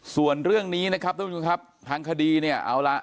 ส่วนเรื่องนี้นะครับท่านผู้ชมครับทางคดีเนี่ยเอาล่ะ